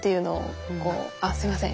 ああすいません。